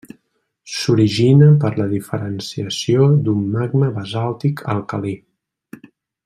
S'origina per la diferenciació d'un magma basàltic alcalí.